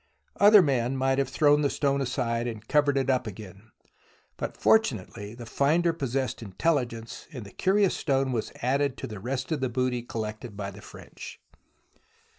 Other men might have thrown the stone aside and covered it up again, but fortunately the finder possessed intelligence and the curious 4 THE ROMANCE OF EXCAVATION stone was added to the rest of the booty collected by the French.